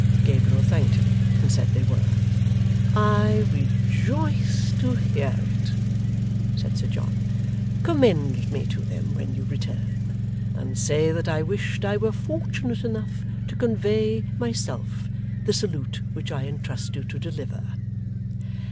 Gabriel thanked him, and said they were. 'I rejoice to hear it,' said Sir John. 'Commend me to them when you return, and say that I wished I were fortunate enough to convey, myself, the salute which I entrust you to deliver.